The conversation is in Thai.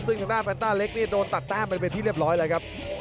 ซึ่งทางด้านแฟนต้าเล็กเนี่ยโดนตัดแต้มไปเป็นที่เรียบร้อยแล้วครับ